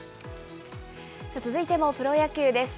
続いてもプロ野球です。